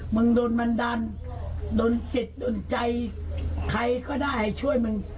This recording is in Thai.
โดนมันดันโดนจิตโดนใจใครก็ได้ช่วยมึง